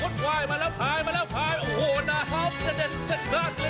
โอกาสมาร่วมภาควันนี้มาแค่